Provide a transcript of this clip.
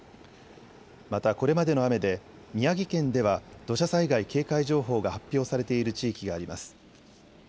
また、これまでの雨で宮城県では土砂災害警戒情報が発表されている地域があります。